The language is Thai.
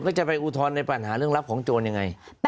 ก็จะไปอุทธรณ์ในปัญหาเรื่องลับของโจรยังไง